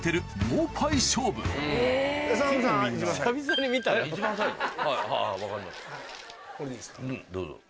うんどうぞ。